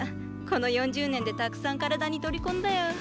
この４０年でたくさん体に取り込んだよ。